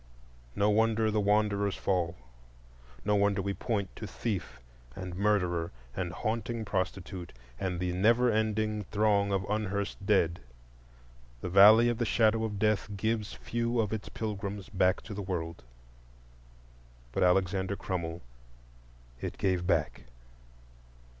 No wonder the wanderers fall! No wonder we point to thief and murderer, and haunting prostitute, and the never ending throng of unhearsed dead! The Valley of the Shadow of Death gives few of its pilgrims back to the world. But Alexander Crummell it gave back.